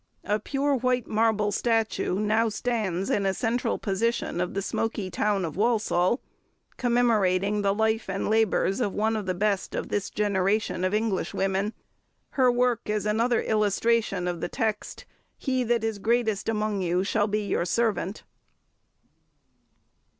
A pure white marble statue now stands in a central position of the smoky town of Walsall, commemorating the life and labours of one of the best of this generation of Englishwomen. Her work is another illustration of the text, "He that is greatest among you, shall be your servant."